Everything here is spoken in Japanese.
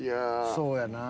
そうやなぁ。